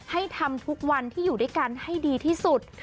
ให้ทำทุกวันที่อยู่ด้วยกันให้ดีที่สุด